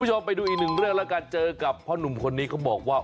คุณผู้ชมไปดูอีกหนึ่งเรื่องแล้วกันเจอกับพ่อหนุ่มคนนี้เขาบอกว่า